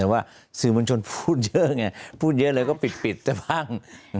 ว่าศือมรรชนพูดเยอะไงพูดเยอะแล้วก็ปิดแบบบ้าง